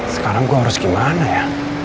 sekarang gue harus gimana ya